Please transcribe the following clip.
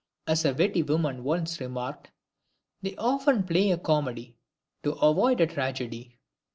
As a witty woman once remarked: "They often play a comedy, to avoid a tragedy!"